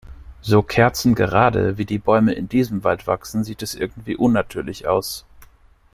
So kerzengerade, wie die Bäume in diesem Wald wachsen, sieht es irgendwie unnatürlich aus.